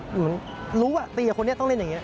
เหมือนรู้ว่าตีกับคนนี้ต้องเล่นอย่างนี้